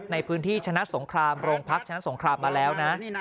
ในพื้นที่ชนะสงครามโรงพักชนะสงครามมาแล้วนะ